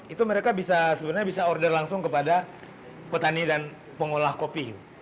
itu mereka bisa sebenarnya bisa order langsung kepada petani dan pengolah kopi